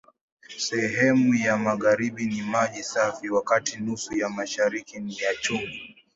Sehemu ya magharibi ni maji safi, wakati nusu ya mashariki ni ya chumvi.